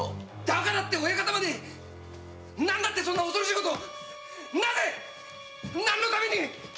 だからって親方までそんな恐ろしい事をなぜなんのために？